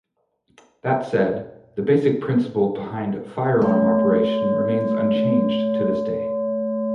That said, the basic principle behind firearm operation remains unchanged to this day.